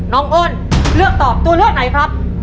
อ้นเลือกตอบตัวเลือกไหนครับ